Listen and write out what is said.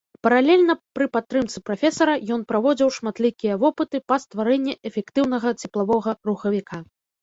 Паралельна, пры падтрымцы прафесара, ён праводзіў шматлікія вопыты па стварэнні эфектыўнага цеплавога рухавіка.